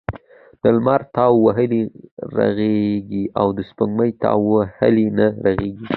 د لمر تاو وهلی رغیږي او دسپوږمۍ تاو وهلی نه رغیږی .